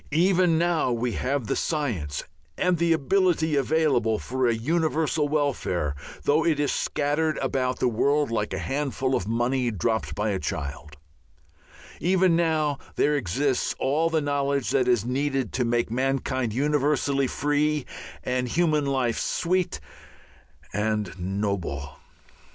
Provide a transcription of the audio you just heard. Even now we have the science and the ability available for a universal welfare, though it is scattered about the world like a handful of money dropped by a child; even now there exists all the knowledge that is needed to make mankind universally free and human life sweet and noble.